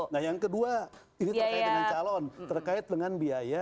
nah yang kedua ini terkait dengan calon terkait dengan biaya